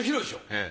ええ。